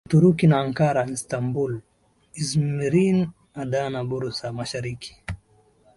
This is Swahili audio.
Uturuki ni Ankara Istanbul Izmir Adana Bursa Mashariki